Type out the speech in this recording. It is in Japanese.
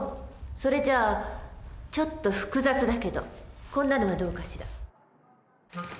それじゃちょっと複雑だけどこんなのはどうかしら。